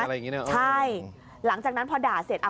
อย่างงี้ใช่หลังจากนั้นพอด่าเสร็จอ่ะ